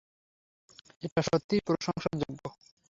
এটা সত্যিই প্রশংসার যোগ্য।